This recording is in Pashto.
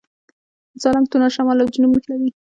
د سالنګ تونل شمال او جنوب نښلوي